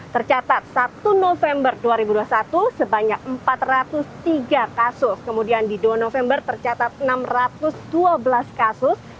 tercatat satu november dua ribu dua puluh satu sebanyak empat ratus tiga kasus kemudian di dua november tercatat enam ratus dua belas kasus